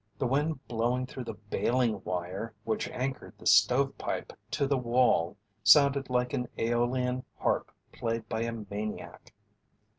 The wind blowing through the baling wire which anchored the stove pipe to the wall sounded like an aeolian harp played by a maniac.